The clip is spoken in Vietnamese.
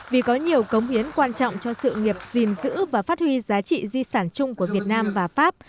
vì có nhiều cống hiến quan trọng cho sự nghiệp gìn giữ và phát huy giá trị di sản chung của việt nam và pháp